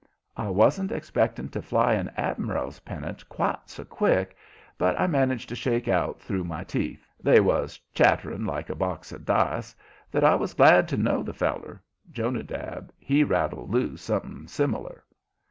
I wasn't expecting to fly an admiral's pennant quite so quick, but I managed to shake out through my teeth they was chattering like a box of dice that I was glad to know the feller. Jonadab, he rattled loose something similar.